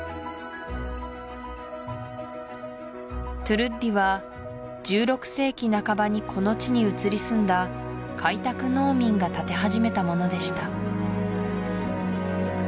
トゥルッリは１６世紀半ばにこの地に移り住んだ開拓農民が建て始めたものでした